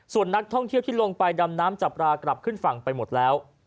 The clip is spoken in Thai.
ส่วนนักท่องเที่ยวที่ลงไปดำน้ำจับปลากลับขึ้นฝั่งไปหมดแล้ว